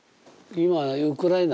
今ウクライナ？